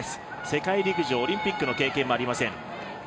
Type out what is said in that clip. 世界陸上、オリンピックの経験もありません。